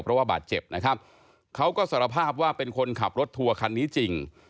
เพราะว่าบาดเจ็บนะครับเขาก็สารภาพว่าเป็นคนขับรถทัวร์คันนี้จริง